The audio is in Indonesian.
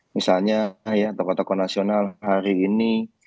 misalnya ya tokoh tokoh nasional hari ini